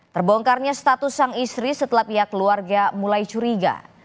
terbongkarnya status sang istri setelah pihak keluarga mulai curiga